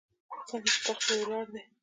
ځکه چې تخت پرې ولاړ دی.